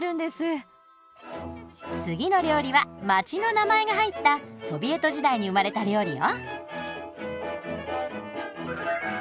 次の料理は街の名前が入ったソビエト時代に生まれた料理よ。